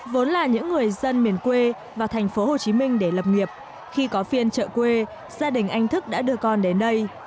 vốn là những người dân miền quê và thành phố hồ chí minh để lập nghiệp khi có phiên trợ quê gia đình anh thức đã đưa con đến đây